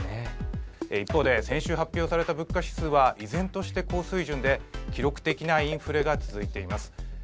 一方で先週発表された物価指数は依然として高水準で記録的なインフレが続いています。